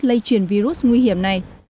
lây chuyển virus nguy hiểm này